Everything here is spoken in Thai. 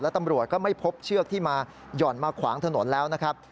ตำรวจก็ไม่พบเชือกที่มาหย่อนมาขวางถนนแล้วนะครับ